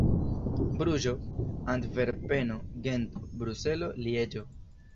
Bruĝo, Antverpeno, Gento, Bruselo, Lieĝo.